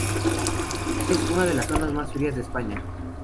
Es una de las zonas más frías de España.